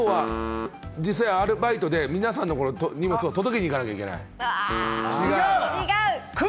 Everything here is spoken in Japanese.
実際アルバイトで皆さんの荷物を届けに行かないといけない？